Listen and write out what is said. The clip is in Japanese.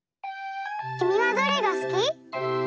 きみはどれがすき？